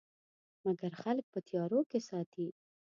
مګر خلک په تیارو کې ساتي.